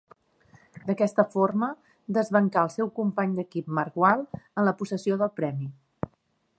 D'aquesta forma, desbancà el seu company d'equip Marc Gual en la possessió del premi.